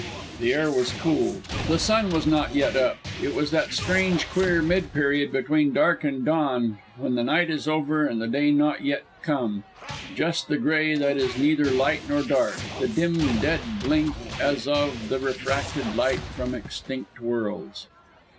The air was cool. The sun was not yet up. It was that strange, queer mid period between dark and dawn, when the night is over and the day not yet come, just the gray that is neither light nor dark, the dim dead blink as of the refracted light from extinct worlds.